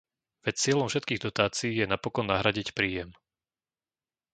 Veď cieľom všetkých dotácií je napokon nahradiť príjem.